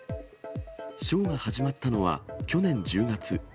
ショーが始まったのは去年１０月。